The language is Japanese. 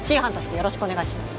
ではよろしくお願いします。